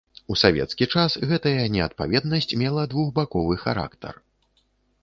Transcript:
У савецкі час гэтая неадпаведнасць мела двухбаковы характар.